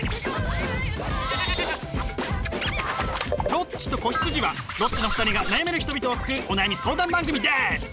「ロッチと子羊」はロッチの２人が悩める人々を救うお悩み相談番組です！